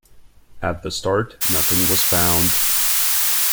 At the start nothing was found.